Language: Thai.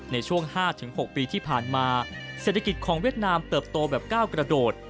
ในช่วง๕๖ปีที่ผ่านมาเศรษฐกิจของเวียดนามเติบโตแบบก้าวกระโดด